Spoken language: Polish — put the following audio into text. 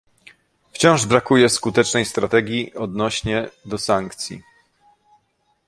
Wciąż brakuje skutecznej strategii odnośnie do sankcji